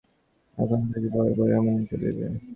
এখন বুঝি বরাবরই এমনি চলিবে।